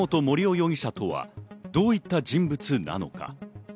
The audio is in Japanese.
容疑者とはどういった人物なのか？